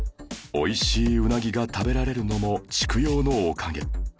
おいしいウナギが食べられるのも畜養のおかげ